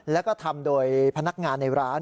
แล้วก็ทำโดยพนักงานในร้าน